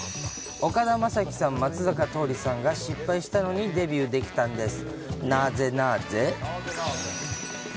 岡田将生さん、松坂桃李さんが失敗したのにデビューできたんです。